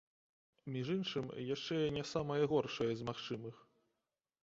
Між іншым, яшчэ не самае горшае з магчымых.